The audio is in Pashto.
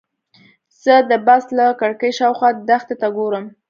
زه د بس له کړکۍ شاوخوا دښتې ته ګورم.